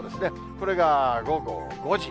これが午後５時。